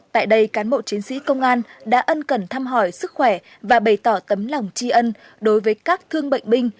tại đây cán bộ chiến sĩ công an đã ân cần thăm hỏi sức khỏe và bày tỏ tấm lòng tri ân đối với các thương bệnh binh